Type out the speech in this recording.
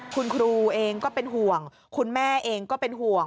คุณครูเองก็เป็นห่วงคุณแม่เองก็เป็นห่วง